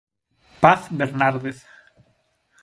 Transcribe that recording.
Paz Bernárdez.